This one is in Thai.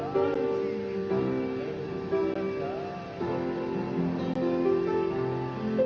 ขอบคุณครับ